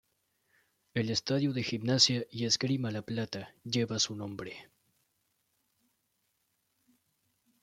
El estadio de Gimnasia y Esgrima La Plata lleva su nombre.